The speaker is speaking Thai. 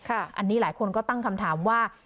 อันนี้หลายคนก็ตั้งคำถามว่า